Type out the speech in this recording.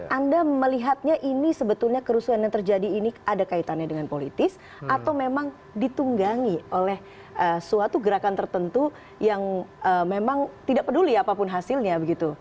anda melihatnya ini sebetulnya kerusuhan yang terjadi ini ada kaitannya dengan politis atau memang ditunggangi oleh suatu gerakan tertentu yang memang tidak peduli apapun hasilnya begitu